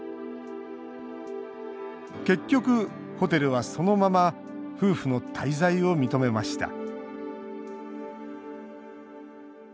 結局ホテルは、そのまま夫婦の滞在を認めました